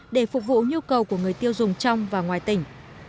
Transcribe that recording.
để phục vụ nhu cầu của người tiêu dùng trong và ngoài tỉnh